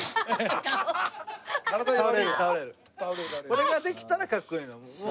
これができたらかっこいいの。